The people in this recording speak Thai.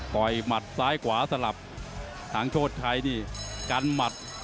ต่อยมัดซ้ายกว่าสลับทางโจทย์ใช้นี่กันมัด